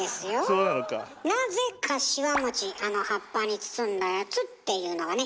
なぜかしわあの葉っぱに包んだやつっていうのがね